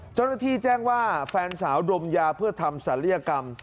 เจ้าหน้าที่แจ้งว่าแฟนสาวดมยาเพื่อทำศัลยกรรม